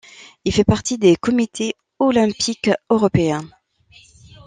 Il fait partie des Comités olympiques européens.